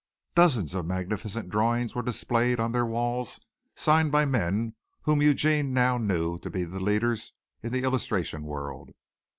Dozens of magnificent drawings were displayed on their walls signed by men whom Eugene now knew to be leaders in the illustration world.